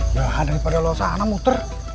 ya daripada lo sana muter